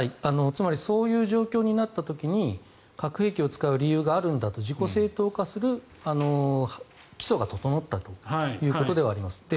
つまりそういう状況になった時に核兵器を使う理由があるんだと自己正当化する基礎が整ったということではあります。